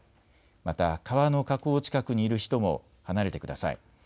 また川の河口近くにいる人も離れてください。